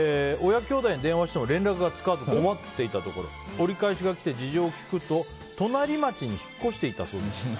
親きょうだいに連絡しても連絡がつかず困っていたところ折り返しが来て、事情を聴くと隣町に引っ越していたそうです。